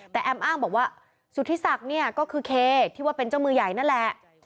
แต่แอมอ้างบอกว่าสุธิศักดิ์เนี่ยก็คือเคที่ว่าเป็นเจ้ามือใหญ่นั่นแหละ